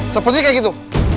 sepertinya kayak gitu